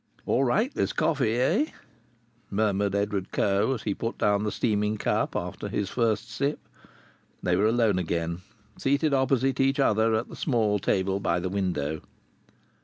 "All right, this coffee, eh?" murmured Edward Coe as he put down the steaming cup after his first sip. They were alone again, seated opposite each other at the small table by the window.